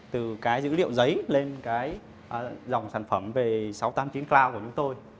từ cái dữ liệu giấy lên cái dòng sản phẩm về sáu trăm tám mươi chín cloud của chúng tôi